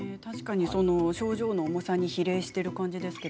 症状の重さに比例している感じですね。